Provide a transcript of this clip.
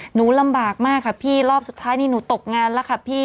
หนูลำบากมากค่ะพี่รอบสุดท้ายนี่หนูตกงานแล้วค่ะพี่